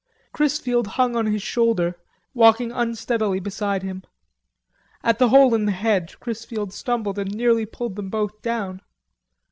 Chrisfield hung on his shoulder, walking unsteadily beside him. At the hole in the hedge Chrisfield stumbled and nearly pulled them both down.